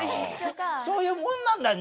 そういうもんなんだよ